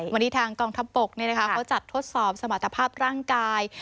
วันนี้ทางกองทัพบกเขาจัดทดสอบสมรรถภาพร่างกาย